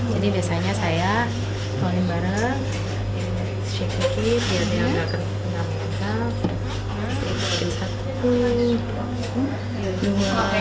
jadi biasanya saya turling bareng